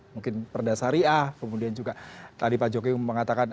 mungkin perda syariah kemudian juga tadi pak jokowi mengatakan